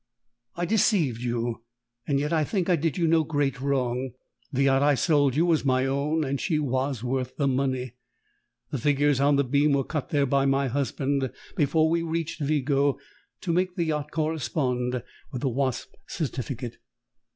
I deceived you, and yet I think I did you no great wrong. The yacht I sold you was my own, and she was worth the money. The figures on the beam were cut there by my husband before we reached Vigo, to make the yacht correspond with the Wasp's certificate.